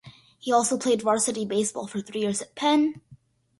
He also played varsity baseball for three years at Penn.